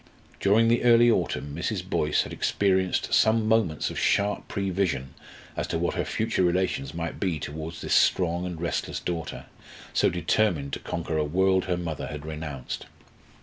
During the early autumn Mrs. Boyce had experienced some moments of sharp prevision as to what her future relations might be towards this strong and restless daughter, so determined to conquer a world her mother had renounced.